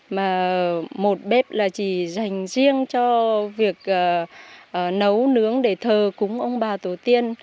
mà một bếp là chỉ dành riêng cho việc nấu nướng để thờ cúng ông bà tổ tiên